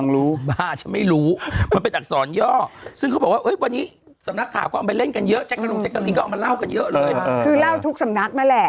เรื่องเขา